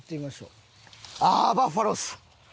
ああーバッファローっす。